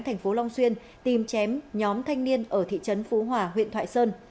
thành phố long xuyên tìm chém nhóm thanh niên ở thị trấn phú hòa huyện thoại sơn